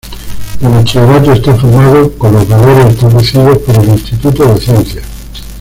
El bachillerato está formado con las valores establecidos por el Instituto de Ciencias.